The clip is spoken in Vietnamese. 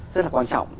rất là quan trọng